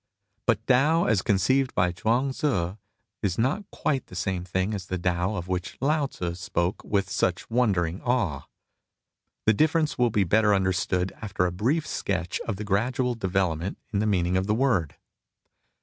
But Tao as conceived by Chuang Tzii is not quite the same thing as the Tao of which Lao Tzu spoke with such wondering awe. The difference will be better understood after a brief sketch of the gradual development in the meaning of the word.